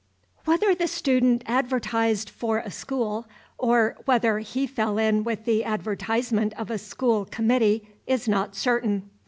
Whether the Student advertised for a school, or whether he fell in with the advertisement of a school committee, is not certain.